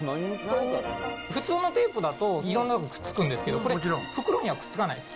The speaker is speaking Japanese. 普通のテープだと、いろんなくっつくんですけど、これ、袋にはくっつかないんです。